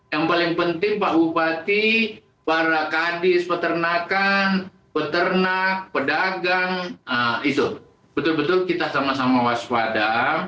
yang paling penting pak bupati para kadis peternakan peternak pedagang itu betul betul kita sama sama waspada